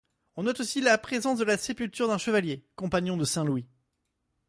On note aussi la présence de la sépulture d'un chevalier, compagnon de Saint-Louis.